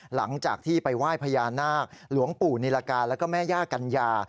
หลังจากที่ไปไหว้พญานาคหลวงปู่นิรการแล้วก็แม่ย่ากัญญา